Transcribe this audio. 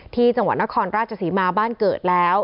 ที่จังหวัดนครราชศรีมาบ้านเกิดแล้ว